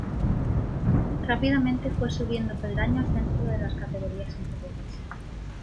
Rápidamente fue subiendo peldaños dentro de las categorías inferiores.